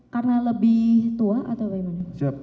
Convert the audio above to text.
karena lebih tua atau bagaimana